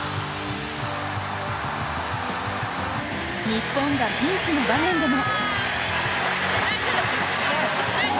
日本がピンチの場面でも。